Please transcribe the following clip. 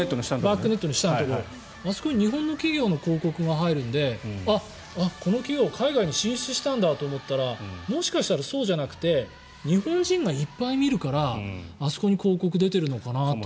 バックネットの下のところに日本の企業の広告が入るのであっ、この企業海外に進出したんだと思ったらもしかしたらそうじゃなくて日本人がいっぱい見るからあそこに広告出てるのかなと。